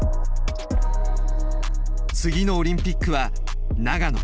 次のオリンピックは長野。